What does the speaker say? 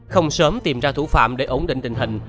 không sớm tìm ra thủ phạm để ổn định tình hình